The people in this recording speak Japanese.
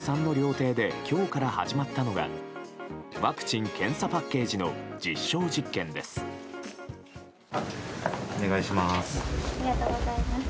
全国に先駆け２３の料亭で今日から始まったのがワクチン・検査パッケージの実証実験です。